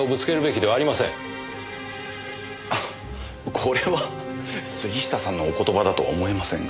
これは杉下さんのお言葉だとは思えませんが。